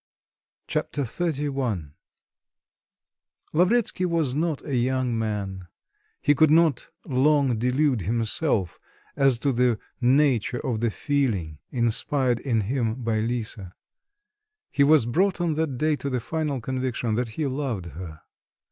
Chapter XXXI Lavretsky was not a young man; he could not long delude himself as to the nature of the feeling inspired in him by Lisa; he was brought on that day to the final conviction that he loved her.